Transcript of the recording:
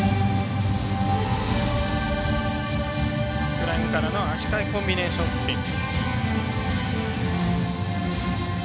フライングからの足換えコンビネーションスピン。